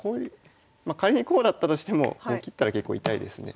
仮にこうだったとしてもこう切ったら結構痛いですね。